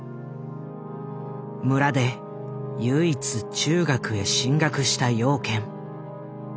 村で唯一中学へ進学した養賢。